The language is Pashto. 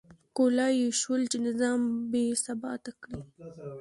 کولای یې شول چې نظام بې ثباته کړي.